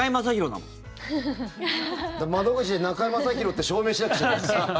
だから、窓口で中居正広って証明しなくちゃいけない。